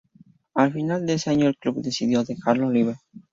Al final de ese año el club decidió dejarlo libre.